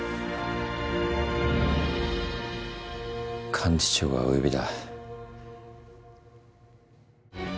幹事長がお呼びだ。